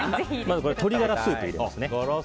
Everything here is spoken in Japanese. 鶏ガラスープを入れます。